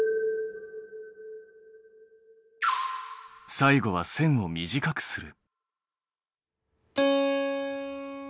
最後は線を短くする。